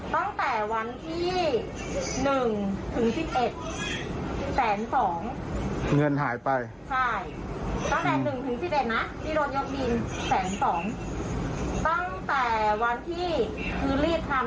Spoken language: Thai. ตั้งแต่วันที่คือเรียนทำวันที่๑๙ถึง๓๑เดือนที่แล้ว